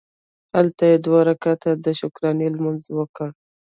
هلته یې دوه رکعته د شکرانې لمونځ وکړ.